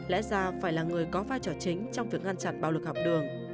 lẽ ra phải là người có vai trò chính trong việc ngăn chặn bạo lực học đường